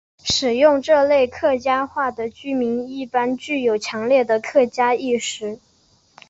使用这类客家话的居民一般具有强烈的客家意识。